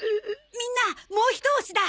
みんなもうひと押しだ！